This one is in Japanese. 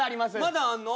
まだあんの？